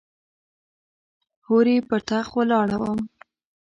هورې پر تخت ولاړه وم .